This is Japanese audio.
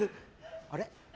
あれ？